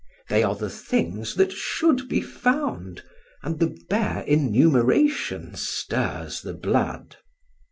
They are the things that should be found, and the bare enumeration stirs the blood.